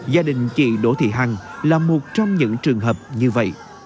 gia đình chị đỗ thị hằng là một trong những trường hợp như vậy